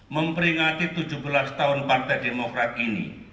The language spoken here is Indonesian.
memperingati tujuh belas tahun partai demokrat ini